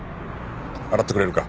洗ってくれるか？